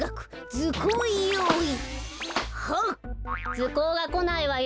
ずこうがこないわよ。